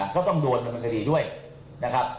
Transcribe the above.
ก็ต้องโดนบันกดีด้วยนะครับ